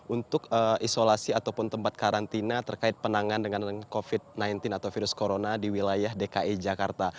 untuk isolasi ataupun tempat karantina terkait penangan dengan covid sembilan belas atau virus corona di wilayah dki jakarta